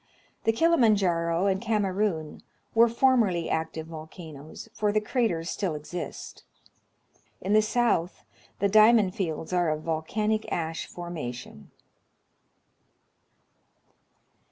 The Kilima Njaro and Kamerun were formerly active volcanoes, for the craters still exist. In the south the diamond fields are of volcanic ash formation.